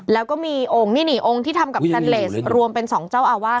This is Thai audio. แล้วก็มีองค์ที่ทำกับก็ทำรวมเป็น๒เจ้าอาวาส